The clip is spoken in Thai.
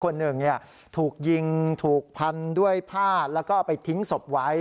คนหนึ่งถูกยิงถูกพันด้วยผ้าแล้วก็ไปทิ้งศพไว้